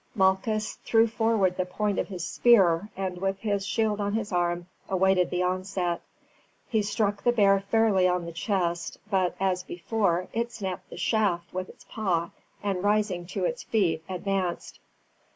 Malchus threw forward the point of his spear, and with his shield on his arm awaited the onset. He struck the bear fairly on the chest, but, as before, it snapped the shaft with its paw, and rising to its feet advanced.